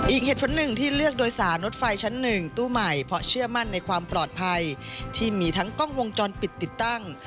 อีกเหตุผลหนึ่งที่เลือกโดยสารรถไฟชั้นหนึ่งตู้ใหม่เพราะเชื่อมั่นในความปลอดภัยที่มีทั้งกล้องวงจรปิดติดตั้ง